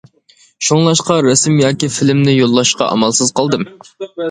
شۇڭلاشقا رەسىم ياكى فىلىمنى يوللاشقا ئامالسىز قالدىم.